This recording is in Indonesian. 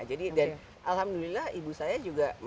jadi dan alhamdulillah ibu saya juga